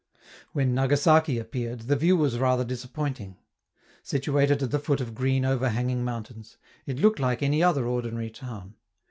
When Nagasaki appeared, the view was rather disappointing. Situated at the foot of green overhanging mountains, it looked like any other ordinary town.